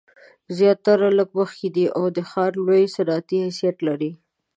زیارت لږ مخکې دی او دا ښار لوی صنعتي حیثیت لري.